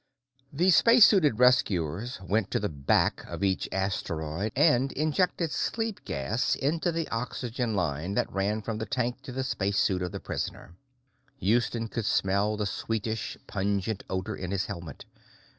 The spacesuited rescuers went to the "back" of each asteroid and injected sleep gas into the oxygen line that ran from the tank to the spacesuit of the prisoner. Houston could smell the sweetish, pungent odor in his helmet.